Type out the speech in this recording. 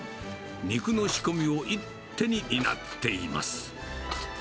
肉の仕込みを一手に担っています。